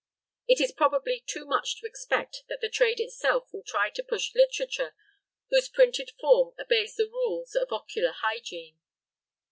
It is probably too much to expect that the trade itself will try to push literature whose printed form obeys the rules of ocular hygiene.